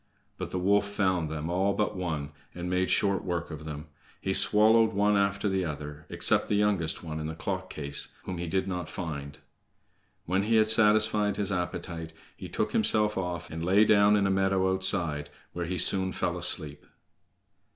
But the wolf found them all but one, and made short work of them. He swallowed one after the other, except the youngest one in the clock case, whom he did not find. When he had satisfied his appetite, he took himself off, and lay down in a meadow outside, where he soon fell asleep.